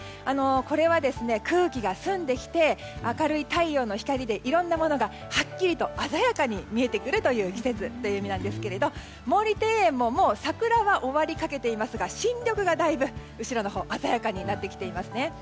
これは、空気が澄んできて明るい太陽の光でいろんなものがはっきりと鮮やかに見えてくる季節という意味なんですけれども毛利庭園ももう桜は終わりかけていますが新緑がだいぶ鮮やかになってきています。